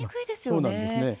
そうなんですね。